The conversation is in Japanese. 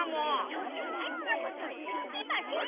ちょっとなによもうそれきいてませんよ！